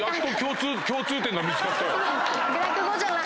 落語じゃない。